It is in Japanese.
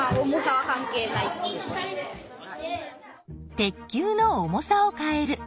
鉄球の重さを変える。